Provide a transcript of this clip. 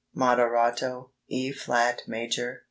Moderato, E flat major, 3 4.